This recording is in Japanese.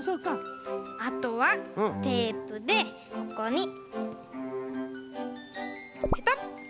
あとはテープでここにペトッ。